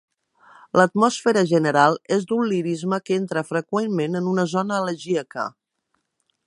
L'atmosfera general és d'un lirisme que entra freqüentment en una zona elegíaca.